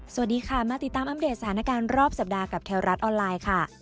สวัสดีค่ะมาติดตามอัปเดตสถานการณ์รอบสัปดาห์กับแถวรัฐออนไลน์ค่ะ